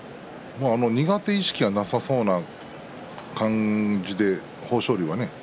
苦手意識はなさそうな感じで、豊昇龍はね